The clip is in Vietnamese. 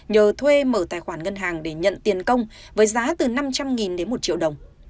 nhờ thuê mở tài khoản ngân hàng để nhận tiền công với giá từ năm trăm linh đến một triệu đồng